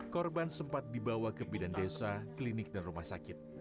korban sempat dibawa ke bidan desa klinik dan rumah sakit